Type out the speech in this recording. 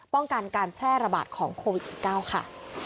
ป้องกันการแพร่ระบาดของโควิด๑๙ค่ะ